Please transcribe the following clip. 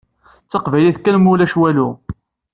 D taqbaylit kan mulac walu!